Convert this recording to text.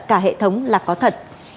cả hệ thống là có thật